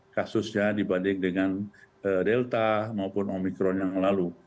kasusnya dibanding dengan delta maupun omikron yang lalu